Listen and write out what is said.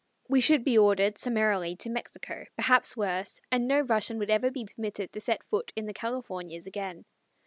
We should be ordered summarily to Mexico, perhaps worse, and no Russian would ever be permitted to set foot in the Californias again.